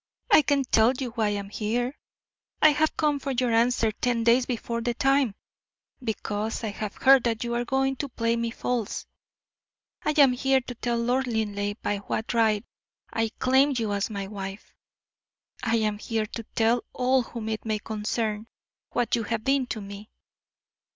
"I can tell you why I am here. I have come for your answer ten days before the time, because I have heard that you are going to play me false: I am here to tell Lord Linleigh by what right I claim you as my wife; I am here to tell all whom it may concern what you have been to me."